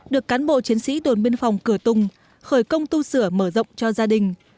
được cán bộ chiến sĩ đồn biên phòng cửa tùng khởi công tu sửa mở rộng cho gia đình